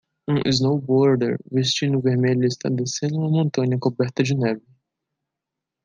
um snowboarder vestindo vermelho está descendo uma montanha coberta de neve.